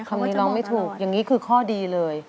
คำนี้ร้องไม่ถูกอย่างนี้คือข้อดีเลย